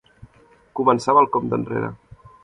Començava el compte enrere.